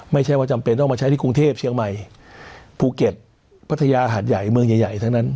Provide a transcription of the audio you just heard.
ไม่ใช่ว่าจำเป็นต้องมาใช้ที่กรุงเทพเชียงใหม่ภูเก็ตพัทยาหาดใหญ่เมืองใหญ่ทั้งนั้น